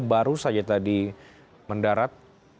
baru saja tadi mendarat